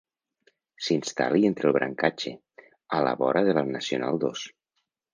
S'instal·li entre el brancatge, a la vora de la nacional dos.